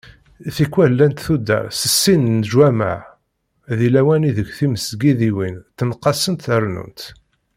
Tikwal llant tuddar s sin n leǧwamaɛ, di lawan ideg timesgidiwin ttenqasent rennunt.